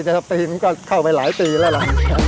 จะปีนก็เข้าไปหลายปีแล้วล่ะ